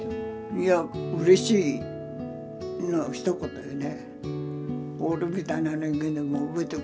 いやうれしいのひと言よね。